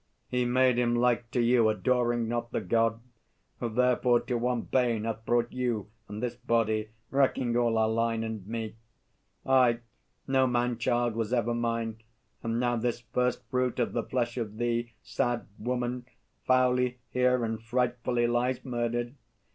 He made him like to you, adoring not The God; who therefore to one bane hath brought You and this body, wrecking all our line, And me. Aye, no man child was ever mine; And now this first fruit of the flesh of thee, Sad woman, foully here and frightfully Lies murdered!